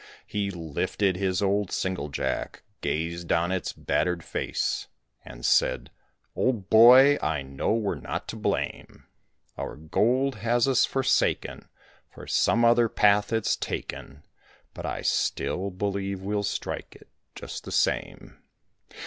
He lifted his old singlejack, gazed on its battered face, And said: "Old boy, I know we're not to blame; Our gold has us forsaken, some other path it's taken, But I still believe we'll strike it just the same.